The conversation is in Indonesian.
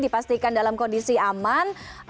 dipastikan dalam kondisi aman